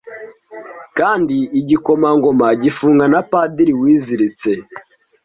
Kandi igikomangoma gifunga na padiri wiziritse